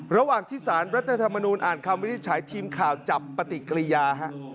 ระหว่างที่สารรัฐธรรมนูญอ่านคำวินิจฉัยทีมข่าวจับปฏิกิริยา